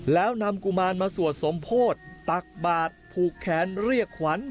แล้วนำกุมารมาสวดสมโพธิตตักบาทผูกแขนเรียกขวัญ